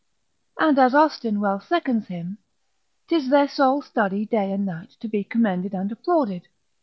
And as Austin well seconds him, 'tis their sole study day and night to be commended and applauded.